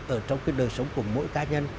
ở trong cái đời sống của mỗi cá nhân